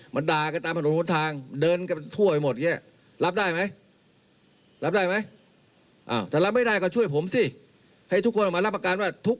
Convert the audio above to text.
พลเอกประยุทธ์นายม่วงรีหัวหน้าคณะคอสชครับยืนยันว่า